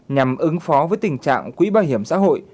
nhằm ứng phó với tình trạng quỹ bảo hiểm xã hội